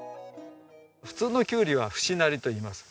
普通のキュウリは節成りといいます。